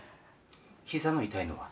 膝の痛いのは？